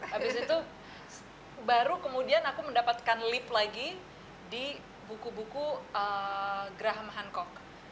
habis itu baru kemudian aku mendapatkan lift lagi di buku buku graham hankok